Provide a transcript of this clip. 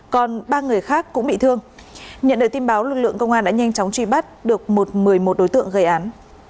còn ba người khác cũng bị thương nhận được tin báo lực lượng công an đã nhanh chóng truy bắt được một mươi một đối tượng gây án